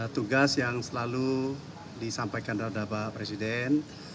tugas yang selalu disampaikan oleh bapak presiden